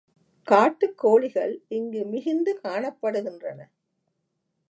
காட்டுக்கோழிகள் இங்கு மிகுந்து காணப்படுகின்றன.